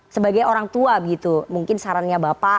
sebagai orang tua gitu mungkin sarannya bapak